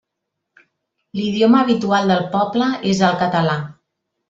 L'idioma habitual del poble és el català.